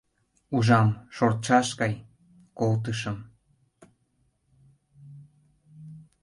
Ужам — шортшаш гай — колтышым.